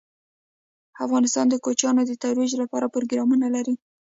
افغانستان د کوچیان د ترویج لپاره پروګرامونه لري.